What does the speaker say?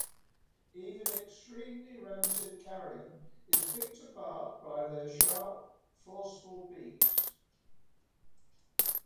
Even extremely rancid carrion is picked apart by their sharp, forceful beaks.